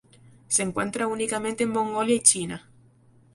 Se encuentra únicamente en Mongolia y China.